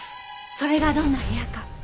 それがどんな部屋か。